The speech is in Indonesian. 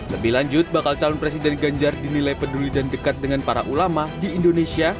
lebih lanjut bakal calon presiden ganjar dinilai peduli dan dekat dengan para ulama di indonesia